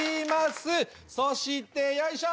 そしてよいしょ。